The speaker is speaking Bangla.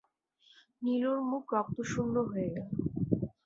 নীলুর মুখ রক্তশূন্য হয়ে গেল।